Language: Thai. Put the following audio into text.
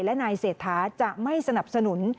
และนายเศรษฐาจะไม่สนับสนุน